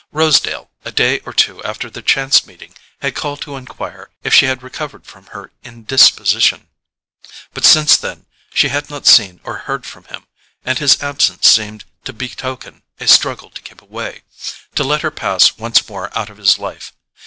Rosedale, a day or two after their chance meeting, had called to enquire if she had recovered from her indisposition; but since then she had not seen or heard from him, and his absence seemed to betoken a struggle to keep away, to let her pass once more out of his life.